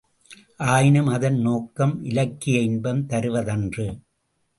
ஆயினும் அதன் நோக்கம் இலக்கிய இன்பம் தருவதன்று.